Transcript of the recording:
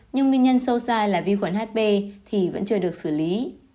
nhưng nguyên nhân sâu xa là vi khuẩn hp thì vẫn chưa được xử lý